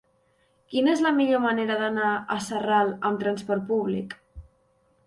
Quina és la millor manera d'anar a Sarral amb trasport públic?